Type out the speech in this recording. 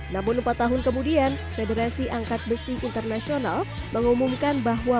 namun empat tahun kemudian federasi angkat besi internasional mengumumkan bahwa